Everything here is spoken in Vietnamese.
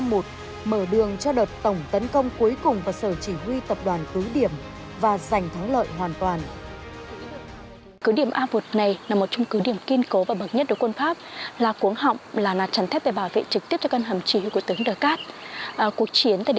mở đường cho đợt tổng tấn công cuối cùng vào sở chỉ huy tập đoàn cứ điểm và giành thắng lợi hoàn toàn